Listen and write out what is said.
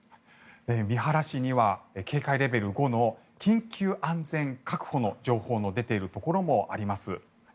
三原市には警戒レベル５の緊急安全確保の情報が出ているところもあります。